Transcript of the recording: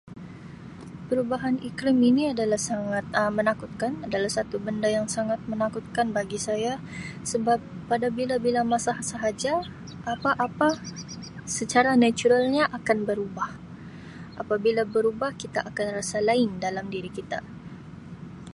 Perubahan iklim ini adalah sangat menakutkan, adalah satu benda yang sangat menakutkan bagi saya sebab pada bila-bila masa sahaja apa-apa secara naturalnya akan berubah, apabila berubah kita akan rasa lain dalam diri kita.